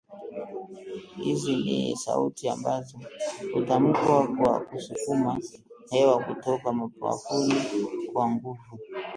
Hizi ni sauti ambazo hutamkwa kwa kusukuma hewa kutoka mapafuni kwa nguvu